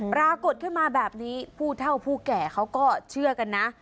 ปรากฏขึ้นมาแบบนี้ผู้เท่าผู้แก่เขาก็เชื่อกันนะ